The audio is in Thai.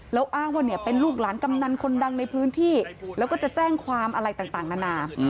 แล้วอ้างว่าเป็นลูกหลานกำนันคนดังในพื้นที่แล้วก็จะแจ้งความอะไรต่างนานา